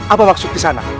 apa maksud di sana